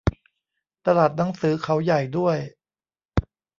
ตลาดหนังสือเขาใหญ่ด้วย